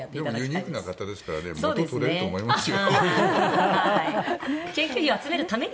でもユニークな方なので元は取れると思いますよ。